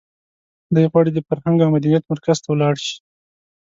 دی غواړي د فرهنګ او مدنیت مرکز ته ولاړ شي.